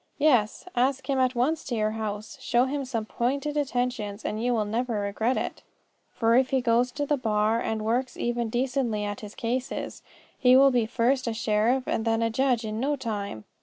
Yes; ask him at once to your house; show him some pointed attentions and you will never regret it. For if he goes to the bar and works even decently at his cases, he will be first a sheriff and then a judge in no time.